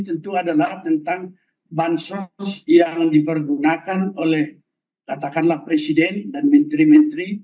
tentu adalah tentang bansos yang dipergunakan oleh katakanlah presiden dan menteri menteri